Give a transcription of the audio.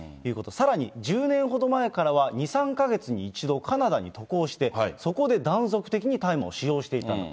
さらに１０年ほど前からは、２、３か月に一度カナダに渡航して、そこで断続的に大麻を使用していた。